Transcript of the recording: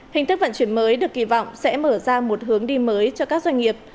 hình thức vận chuyển mới được kỳ vọng sẽ mở ra một hướng đi mới cho các doanh nghiệp